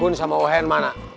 kun sama ohen mana